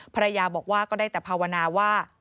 ภรรยาบอกว่าก็ได้แต่ภาวนาว่า